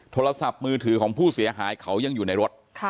โทรศัพท์มือถือของผู้เสียหายเขายังอยู่ในรถ